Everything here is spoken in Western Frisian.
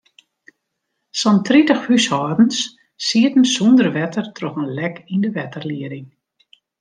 Sa'n tritich húshâldens sieten sûnder wetter troch in lek yn de wetterlieding.